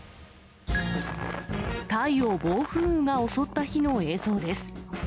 タイを暴風雨が襲った日の映像です。